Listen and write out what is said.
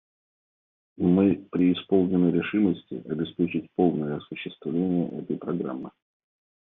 Мы преисполнены решимости обеспечить полное осуществление этой программы.